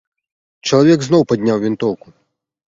Чалавек зноў падняў вінтоўку.